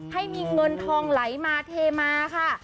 ให้มีเงินทองไหลมาเทมาค่ะ